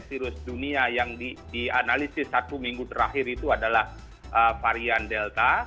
virus dunia yang dianalisis satu minggu terakhir itu adalah varian delta